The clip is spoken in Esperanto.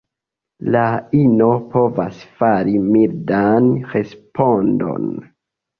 La ino povas fari mildan respondon.